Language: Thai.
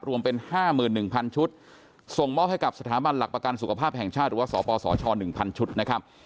รวมเป็น๕๑๐๐ชุดส่งมอบให้กับสถาบันหลักประกันสุขภาพแห่งชาติหรือว่าสปสช๑๐๐ชุดนะครับ